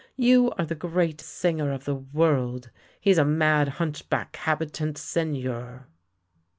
You are the great singer of the world. He's a mad hunchback habitant Seigneur!